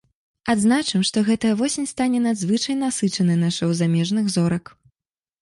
Адзначым, што гэтая восень стане надзвычай насычанай на шоў замежных зорак.